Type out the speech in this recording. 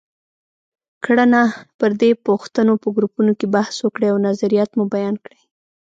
کړنه: پر دې پوښتنو په ګروپونو کې بحث وکړئ او نظریات مو بیان کړئ.